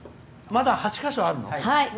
まだ８か所あるの。